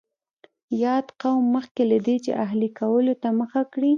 یاد قوم مخکې له دې چې اهلي کولو ته مخه کړي